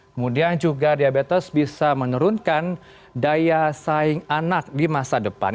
kemudian juga diabetes bisa menurunkan daya saing anak di masa depan